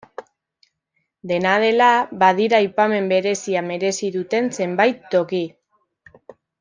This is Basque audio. Dena dela, badira aipamen berezia merezi duten zenbait toki.